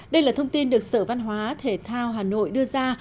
đây là thông tin được sở văn hóa thể thao hà nội đưa ra